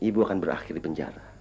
ibu akan berakhir di penjara